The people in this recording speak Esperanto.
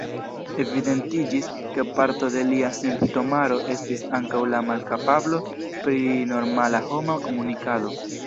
Evidentiĝis, ke parto de lia simptomaro estis ankaŭ la malkapablo pri normala homa komunikado.